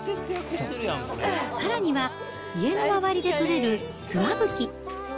さらには、家の周りで取れる、ツワブキ。